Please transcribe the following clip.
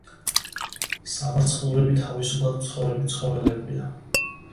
სავარცხლურები თავისუფლად მცხოვრები ცხოველებია.